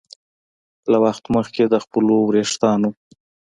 له وخت مخکې د خپلو ویښتانو